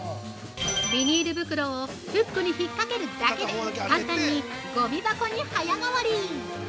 ◆ビニール袋をフックにひっかけるだけで簡単にごみ箱に早変わり！